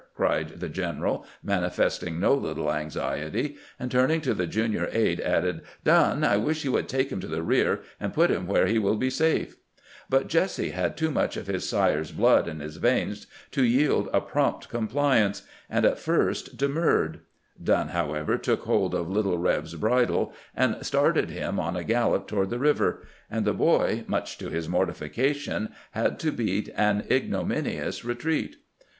" cried the gen eral, manifesting no little anxiety; and turning to the junior aide, added, " Dunn, I wish you would take him to the rear, and put him where he will be safe." But Jesse had too much of his sire's blood in his veins to GEANT UNDER FIRE AT FORT HARRISON 301 yield a prompt compliance, and at first demurred. Dnnn, however, took hold of " Little Reb's " bridle, and started him on a gallop toward the river ; and the boy, much to his mortification, had to beat an ignominious retreat.